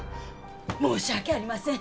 申し訳ありません。